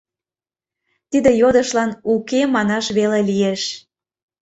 Тиде йодышлан «уке» манаш веле лиеш.